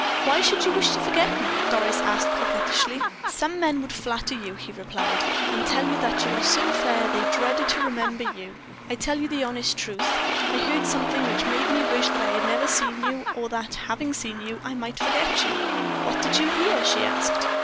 "Why should you wish to forget me?" Doris asked, coquettishly. "Some men would flatter you," he replied, "and tell you that you are so fair they dreaded to remember you. I tell you the honest truth. I heard something which made me wish that I had never seen you, or that, having seen you, I might forget you." "What did you hear?" she asked.